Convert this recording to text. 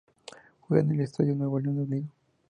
Juegan en el Estadio Nuevo León Unido.